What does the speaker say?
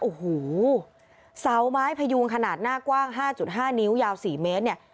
โอ้โหเสาไม้พยุงขนาดหน้ากว้าง๕๕นิ้วยาว๔เมตรเนี่ย